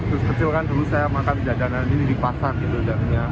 terus kecil kan dulu saya makan jajanan ini di pasar gitu